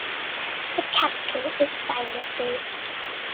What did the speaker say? The capital is Bangassou.